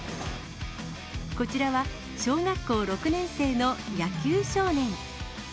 こちらは小学校６年生の野球少年。